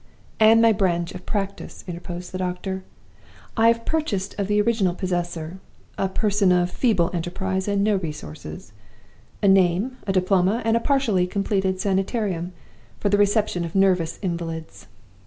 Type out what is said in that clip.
"'And my branch of practice,' interposed the doctor. 'I have purchased of the original possessor (a person of feeble enterprise and no resources) a name, a diploma, and a partially completed sanitarium for the reception of nervous invalids.